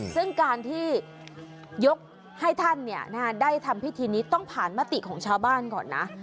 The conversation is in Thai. ซึ่งการที่ยกให้ท่านได้ทำพิธีนี้ต้องผ่านมติของชาวบ้านก่อนนะ